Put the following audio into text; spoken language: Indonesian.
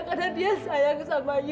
karena dia sayang sama ibu